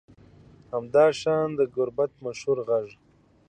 همداشان د گربت مشهور غر